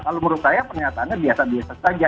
kalau menurut saya pernyataannya biasa biasa saja